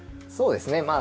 そうですね。